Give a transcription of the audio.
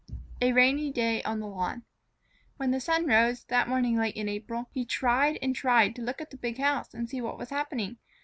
A RAINY DAY ON THE LAWN When the sun rose, that morning late in April, he tried and tried to look at the big house and see what was happening.